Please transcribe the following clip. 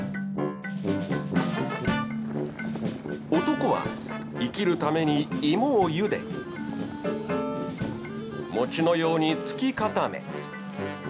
男は生きるために芋をゆで餅のようにつき固め。